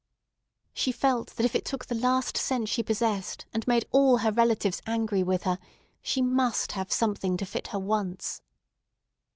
She felt that if it took the last cent she possessed, and made all her relatives angry with her, she must have something to fit her once.